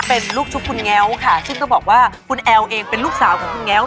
เป็นลูกชุบคุณแง้วค่ะซึ่งก็บอกว่าคุณแอลเองเป็นลูกสาวของคุณแง้ว